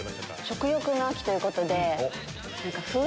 食欲の秋ということで。